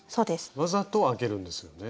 わざとあけるんですよね